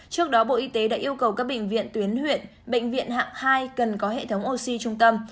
trước đó bộ y tế đã yêu cầu các bệnh viện tuyến huyện bệnh viện hạng hai cần có hệ thống oxy trung tâm